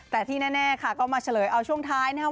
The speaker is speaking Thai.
แต่ที่แน่ค่ะก็มาเฉลยเอาช่วงท้ายนะครับ